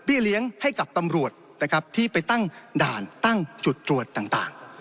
เลี้ยงให้กับตำรวจนะครับที่ไปตั้งด่านตั้งจุดตรวจต่าง